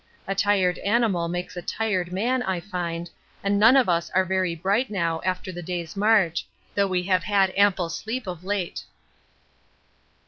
A tired animal makes a tired man, I find, and none of us are very bright now after the day's march, though we have had ample sleep of late.